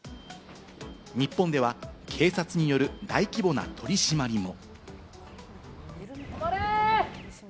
日本では、警察による大規模な取り締まりも。